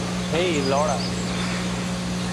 হেই, Laura.